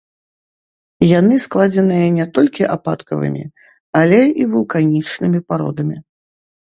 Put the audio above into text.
Яны складзеныя не толькі ападкавымі, але і вулканічнымі пародамі.